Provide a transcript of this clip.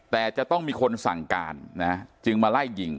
แต่จะต้องมีคนสั่งการนะจึงมาไล่ยิง